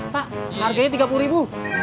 pak harganya rp tiga puluh ribu